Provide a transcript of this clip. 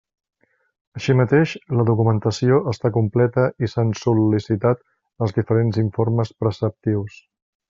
Així mateix, la documentació està completa i s'han sol·licitat els diferents informes preceptius.